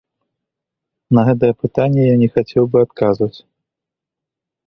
На гэтае пытанне я не хацеў бы адказваць.